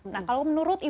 nah kalau menurut ibu